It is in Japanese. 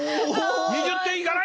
２０点いかない。